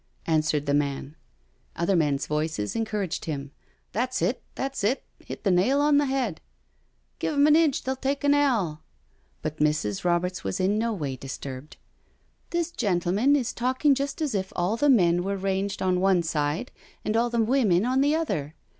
*' answered the man. Other men's voices en couraged him: •• That's it— that's it— hit the nail on the head." " Give 'em an inch they'll take an ell." But Mrs. Roberts was in no way disturbed. " This gentleman is talking just as if all the men were ranged on one side and all the women on the other.